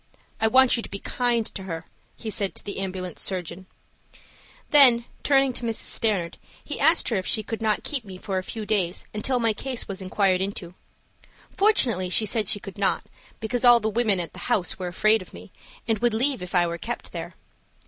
I want you to be kind to her," he said to the ambulance surgeon. Then, turning to Mrs. Stanard, he asked her if she could not keep me for a few days until my case was inquired into. Fortunately, she said she could not, because all the women at the Home were afraid of me, and would leave if I were kept there.